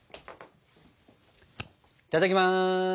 いただきます。